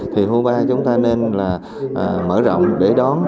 thì hubar chúng ta nên là mở rộng để đón